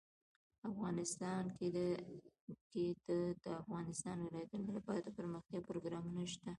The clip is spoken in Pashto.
افغانستان کې د د افغانستان ولايتونه لپاره دپرمختیا پروګرامونه شته.